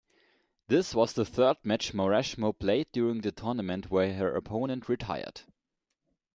This was the third match Mauresmo played during the tournament where her opponent retired.